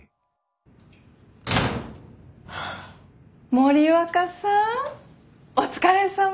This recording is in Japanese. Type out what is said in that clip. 森若さんお疲れさま。